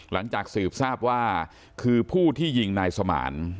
หลังจากสืบทราบว่าคือผู้ที่ยิงนายสมาน